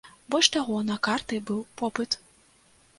Больш таго, на карты быў попыт.